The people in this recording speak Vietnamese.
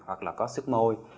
hoặc là có sức môi